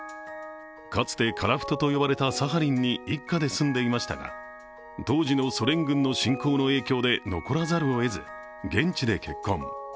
かつて、樺太と呼ばれたサハリンに一家で住んでいましたが、当時のソ連軍の侵攻の影響で残らざるを得ず、現地で結婚。